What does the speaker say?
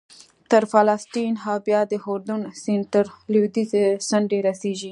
تر فلسطین او بیا د اردن سیند تر لوېدیځې څنډې رسېږي